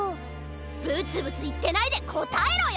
ブツブツいってないでこたえろよ！